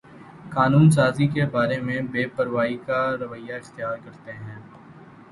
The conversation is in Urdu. قانون سازی کے بارے میں بے پروائی کا رویہ اختیار کرتے ہیں